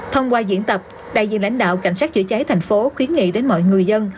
thông qua diễn tập đại diện lãnh đạo cảnh sát chữa cháy thành phố khuyến nghị đến mọi người dân